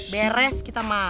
beres kita mah